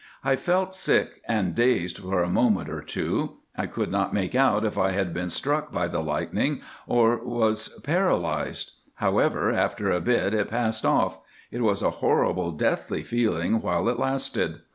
I felt sick and dazed for a minute or two. I could not make out if I had been struck by the lightning or was paralysed. However, after a bit it passed off; it was a horrible deathly feeling while it lasted.